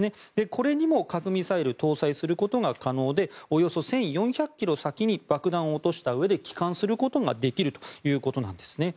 これにも核ミサイルを搭載可能でおよそ１４００ｋｍ先に爆弾を落としたうえで帰還することができるということなんですね。